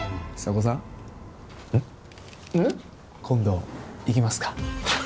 今度行きますか？